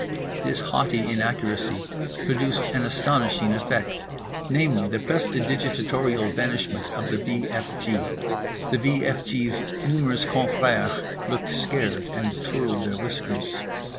This haughty inaccuracy produced an astonishing effect, namely, the prestidigitatorial vanishment of the v f g. The v f g's numerous confrères looked scared and twirled their whiskers.